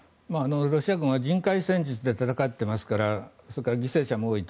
ロシア軍は人海戦術で戦っていますからそれから犠牲者も多いと。